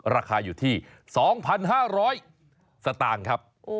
ราคาอยู่ที่๒๕๐๐สตางค์ครับ